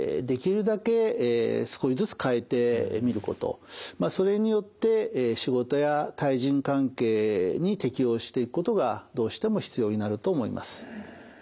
やはりですねまず第１にそれによって仕事や対人関係に適応していくことがどうしても必要になると思います。